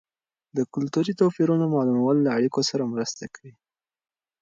د کلتوري توپیرونو معلومول له اړیکو سره مرسته کوي.